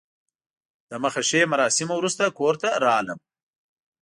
د مخه ښې مراسمو وروسته کور ته راغلم.